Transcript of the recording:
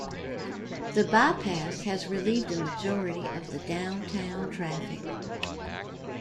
The bypass has relieved a majority of the downtown traffic.